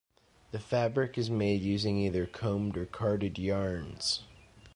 The fabric is made using either combed or carded yarns.